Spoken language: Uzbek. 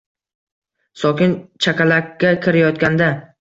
Sokin chakalakka kirayotganda